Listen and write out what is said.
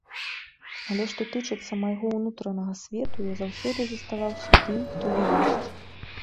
Але што тычыцца майго ўнутранага свету, я заўсёды заставаўся тым, хто я ёсць.